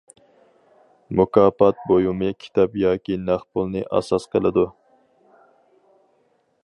مۇكاپات بۇيۇمى كىتاب ياكى نەق پۇلنى ئاساس قىلىدۇ.